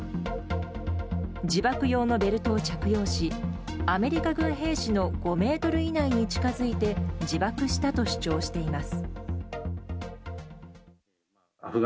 自爆用のベルトを着用しアメリカ軍兵士の５ｍ以内に近づいて自爆したと主張しています。